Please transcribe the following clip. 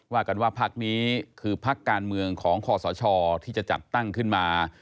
ว่ากันว่าพักนี้คือพักการเมืองของคอสชที่จะจัดตั้งขึ้นมา